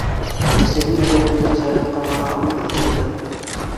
Әсәһен ерләгәндә зыяратҡа бара алмай, иҫереп ятты.